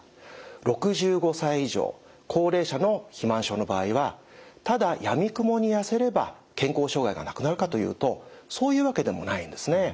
６５歳以上高齢者の肥満症の場合はただやみくもにやせれば健康障害がなくなるかというとそういうわけでもないんですね。